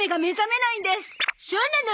そうなの。